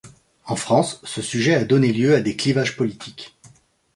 En France, ce sujet a donné lieu à des clivages politiques.